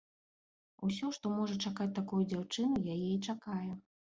Усё, што можа чакаць такую дзяўчыну, яе і чакае.